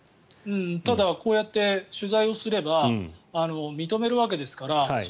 ただ、こうやって取材をすれば認めるわけですから。